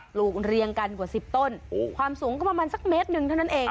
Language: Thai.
ลูกเรียงกันกว่า๑๐ต้นความสูงก็ประมาณสักเมตรหนึ่งเท่านั้นเอง